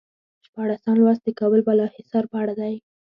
شپاړسم لوست د کابل بالا حصار په اړه دی.